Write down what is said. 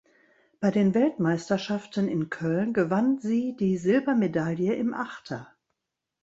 Bei den Weltmeisterschaften in Köln gewann sie die Silbermedaille im Achter.